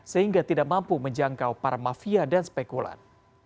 sehingga tidak mampu menjangkau para mafia dan spekulan